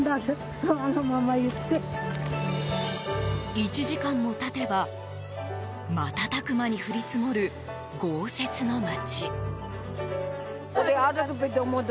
１時間も経てば瞬く間に降り積もる豪雪の町。